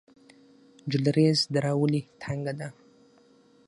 جلریز دره ولې تنګه ده؟